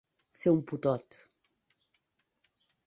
Ser un putot.